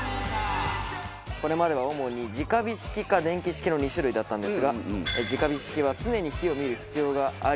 これまでは主に直火式か電気式の２種類だったんですが直火式は常に火を見る必要があり。